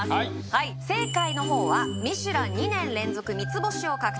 はい正解のほうはミシュラン２年連続三つ星を獲得